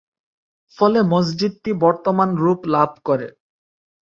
ফলে মসজিদটি বর্তমান রূপ লাভ করে।